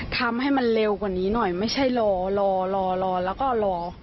ทำให้มันเร็วกว่านี้หน่อยไม่ใช่รอรอแล้วก็รอ